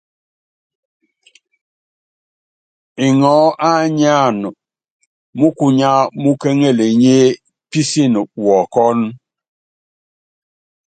Iŋɔɔ́ á nyáan múkkunya múkéŋelenyé písin wɔɔbɔ́n.